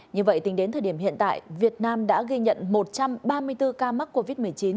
như vậy tính đến thời điểm hiện tại việt nam đã ghi nhận một trăm ba mươi bốn ca mắc covid một mươi chín